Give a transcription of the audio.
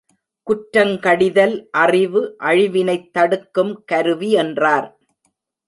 குற்றங்கடிதல் அறிவு அழிவினைத் தடுக்கும் கருவி என்றார்.